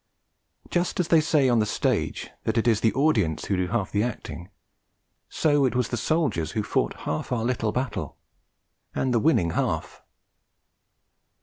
Just as they say on the stage that it is the audience who do half the acting, so it was the soldiers who fought half our little battle and the winning half.